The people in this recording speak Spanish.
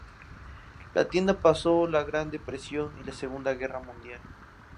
La tienda pasó la Gran Depresión y la Segunda Guerra Mundial.